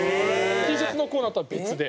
Ｔシャツのコーナーとは別で。